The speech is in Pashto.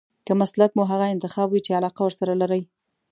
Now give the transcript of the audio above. که مسلک مو هغه انتخاب وي چې علاقه ورسره لرئ.